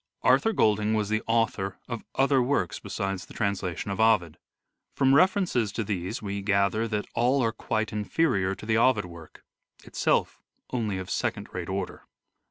Arthur Golding was the author of other works besides the translation of Ovid. From references to these we gather that all are quite inferior to the Ovid work : itself only of second rate order.